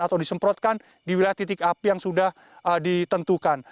atau disemprotkan di wilayah titik api yang sudah ditentukan